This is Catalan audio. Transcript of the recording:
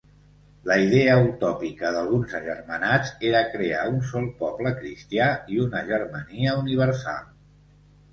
La idea utòpica d'alguns agermanats era crear un sol poble cristià i una Germania Universal.